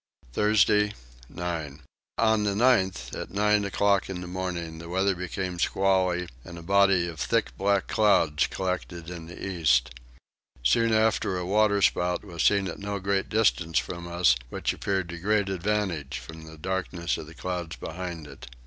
Thursday 9. On the 9th at nine o'clock in the morning the weather became squally and a body of thick black clouds collected in the east. Soon after a water spout was seen at no great distance from us, which appeared to great advantage from the darkness of the clouds behind it.